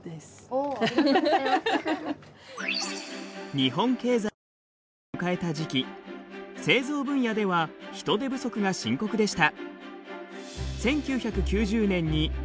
日本経済がバブルを迎えた時期製造分野では人手不足が深刻でした。